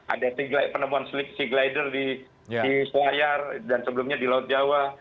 ada penemuan sea glider di selayar dan sebelumnya di laut jawa